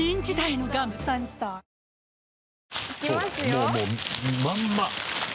もうもうまんま。